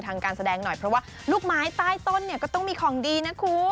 การแสดงหน่อยเพราะว่าลูกไม้ใต้ต้นเนี่ยก็ต้องมีของดีนะคุณ